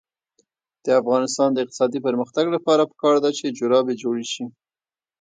د افغانستان د اقتصادي پرمختګ لپاره پکار ده چې جرابې جوړې شي.